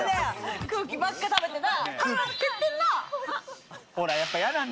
空気ばっか食べてな。